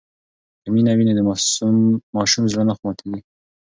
که مینه وي نو د ماسوم زړه نه ماتېږي.